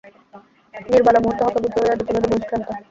নীরবালা মুহূর্ত হতবুদ্ধি হইয়া, দ্রুতবেগে বহিষ্ক্রান্ত।